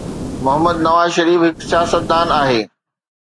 محمد نواز شريف هڪ سياستدان آهي.